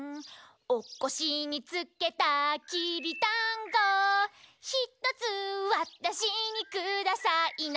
「おこしにつけたきびだんご」「ひとつわたしにくださいな」